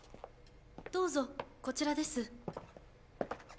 どうぞこちらです。